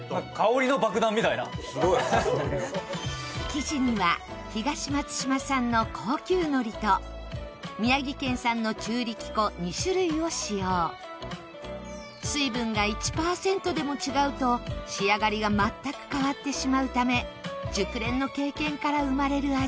生地には東松島産の高級のりと宮城県産の中力粉２種類を使用水分が１％でも違うと仕上がりが全く変わってしまうため熟練の経験から生まれる味